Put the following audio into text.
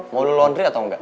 mau di laundry atau enggak